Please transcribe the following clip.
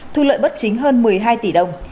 thu lợi bất chính hơn một mươi hai tỷ đồng